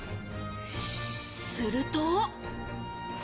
すると。